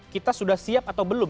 kita sudah siap atau belum